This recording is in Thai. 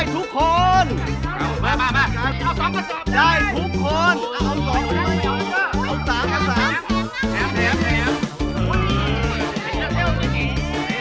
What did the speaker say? ทุกวันนี้ใช่ไม่ได้